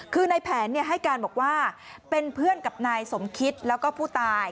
คือในแผนให้การบอกว่าเป็นเพื่อนกับนายสมคิดแล้วก็ผู้ตาย